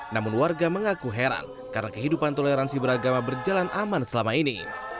namun warga mengaku heran karena kehidupan toleransi beragama berjalan aman selama ini